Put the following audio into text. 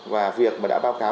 và việc mà đã báo cáo